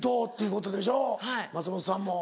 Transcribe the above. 松本さんも。